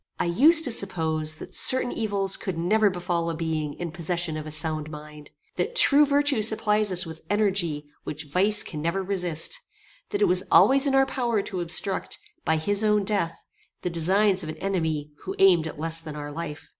I used to suppose that certain evils could never befall a being in possession of a sound mind; that true virtue supplies us with energy which vice can never resist; that it was always in our power to obstruct, by his own death, the designs of an enemy who aimed at less than our life.